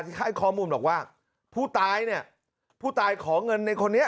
ให้ข้อมูลบอกว่าผู้ตายเนี่ยผู้ตายขอเงินในคนนี้